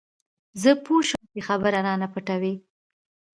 زه پوه سوم چې خبره رانه پټوي.